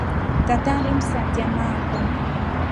Angu tata alimsatia mma akwa.